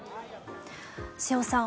瀬尾さん